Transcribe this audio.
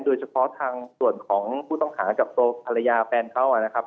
โดยเฉพาะทางส่วนของผู้ต้องหากับตัวภรรยาแฟนเขานะครับ